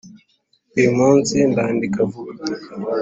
Uyu munsi ndandika vuba